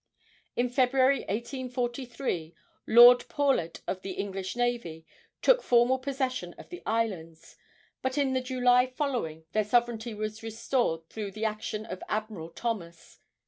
In February, 1843, Lord Paulet, of the English navy, took formal possession of the islands, but in the July following their sovereignty was restored through the action of Admiral Thomas.